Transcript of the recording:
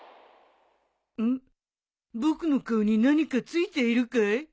僕の顔に何か付いているかい？